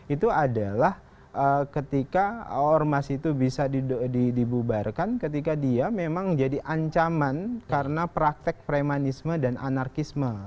itu adalah ketika ormas itu bisa dibubarkan ketika dia memang jadi ancaman karena praktek premanisme dan anarkisme